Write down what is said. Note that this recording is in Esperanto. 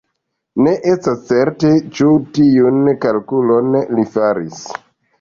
Ne estas certe, ĉu tiun kalkulon li faris.